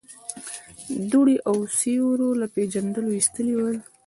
دوړو او سيورو له پېژندلو ايستلي ول.